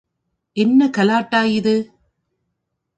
என்ன கலாட்டா இது?